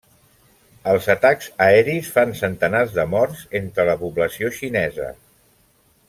Els atacs aeris fan centenars de morts entre la població xinesa.